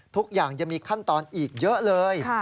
ทุกอย่างยังมีขั้นตอนอีกเยอะเลย